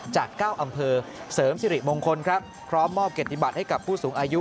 จาก๙อำเภอเสริมสิริมงคลครับพร้อมมอบเกียรติบัติให้กับผู้สูงอายุ